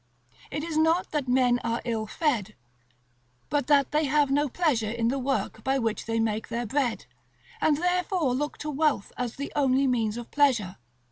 It is not that men are ill fed, but that they have no pleasure in the work by which they make their bread, and therefore look to wealth as the only means of pleasure.